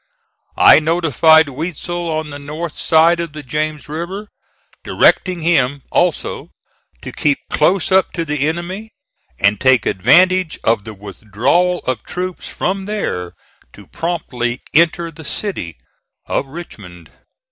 I notified Weitzel on the north side of the James River, directing him, also, to keep close up to the enemy, and take advantage of the withdrawal of troops from there to promptly enter the city of Richmond.